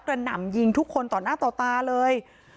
หน่ำยิงทุกคนต่อหน้าต่อตาเลย